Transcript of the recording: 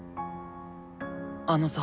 あのさ。